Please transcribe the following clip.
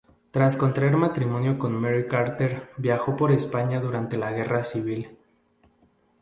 Tras contraer matrimonio con Mary Carter viajó por España durante la guerra civil.